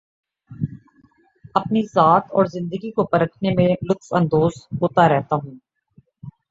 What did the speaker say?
اپنی ذات اور زندگی کو پرکھنے میں لطف اندوز ہوتا رہتا ہوں